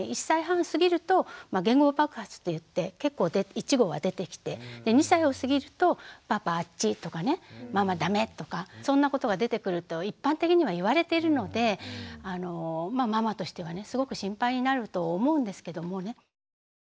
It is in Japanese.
１歳半過ぎると言語爆発っていって結構一語は出てきて２歳を過ぎると「パパあっち」とかね「ママだめ」とかそんなことが出てくると一般的には言われているのでまあママとしてはねすごく心配になると思うんですけどもね。